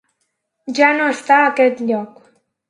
Ja no està a aquest lloc.